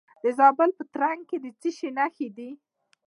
د زابل په ترنک کې د څه شي نښې دي؟